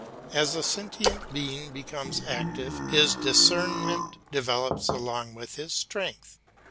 As the sentient being becomes active his discernment develops along with his strength.